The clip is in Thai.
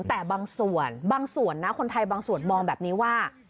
แต่บางส่วนบางส่วนนะคนไทยบางส่วนมองแบบนี้ว่า